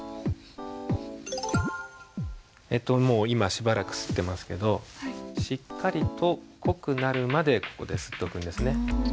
もう今しばらくすってますけどしっかりと濃くなるまでここですっておくんですね。